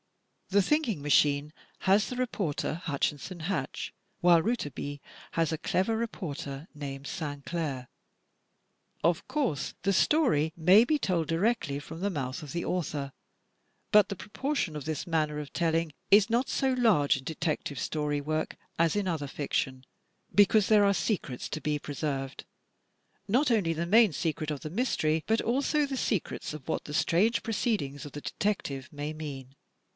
"The Thinking Machine" has the reporter "Hutchinson Hatch," while " Rouletabille " has a clever reporter named "Sainclair. " Of course the story may be told directly from the mouth of the author. But the proportion of this manner of telling is not so large in Detective Story work as in other fiction; because there are secrets to be preserved. Not only the main secret of the mystery, but also the secrets of what the strange STRUCTURE 287 proceedings of the detective may mean.